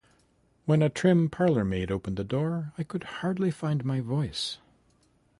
When a trim parlour-maid opened the door, I could hardly find my voice.